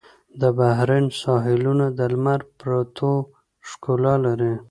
د بحرین ساحلونه د لمر پرېوتو ښکلا لري.